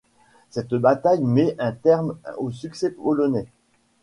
Cette bataille met un terme aux succès polonais.